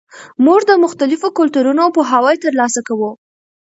موږ د مختلفو کلتورونو پوهاوی ترلاسه کوو.